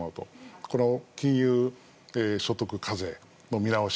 この金融所得課税の見直し